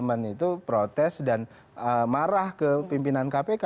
teman teman itu protes dan marah ke pimpinan kpk